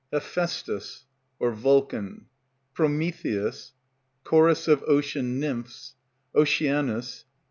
HEPHAISTUS (Vulcan). PROMETHEUS. CHORUS OF OCEAN NYMPHS. OCEANUS.